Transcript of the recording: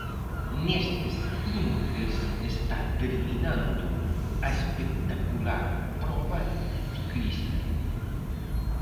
Nestes intres está terminando a espectacular proba ciclista.